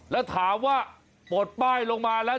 แล้วถามว่าปลดป้ายลงมาแล้ว